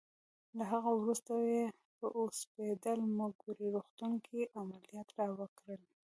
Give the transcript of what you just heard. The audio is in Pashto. له هغه وروسته یې په اوسپیډل مګوري روغتون کې عملیات راوکړل.